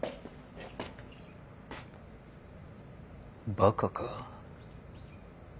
バカか。